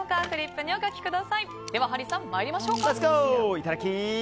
いただき！